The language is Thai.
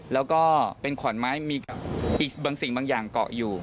แล้วก็เป็นขอนไม้มีอีกบางสิ่งบางอย่างเกาะอยู่